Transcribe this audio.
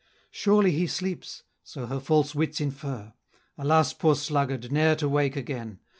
Surely he sleeps, so her false wits infer! Alas! poor sluggard, ne'er to wake again!